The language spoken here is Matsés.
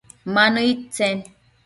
Ma nëid tsen ?